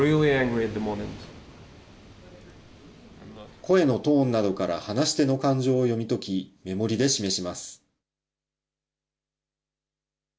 声のトーンなどから話し手の感情を読み解き、目盛りで示します。